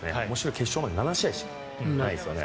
決勝まで７試合しかないんですね。